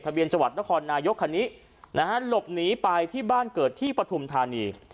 ทะเบียนจัวร์ตะคอนนายกคณินะฮะหลบหนีไปที่บ้านเกิดที่ปฐุมธานี